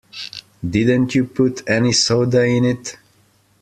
Didn't you put any soda in it?